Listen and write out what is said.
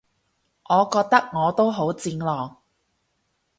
我覺得我都好戰狼